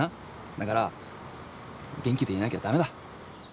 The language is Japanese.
だから元気でいなきゃダメだ。